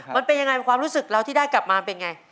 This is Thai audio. มันเป็นยังไงความรู้สึกแล้วที่ได้กลับมาเป็นยังไง